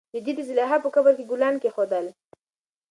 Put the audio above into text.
رېدي د زلیخا په قبر کې ګلان کېښودل.